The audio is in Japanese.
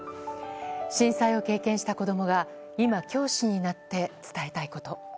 震災を経験した子供が今、教師になって伝えたいこと。